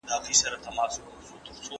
کتابونه بې پاڼو نه وي.